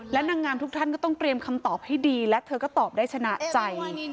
และนางงามทุกท่านก็ต้องเตรียมคำตอบให้ดีและเธอก็ตอบได้ชนะใจ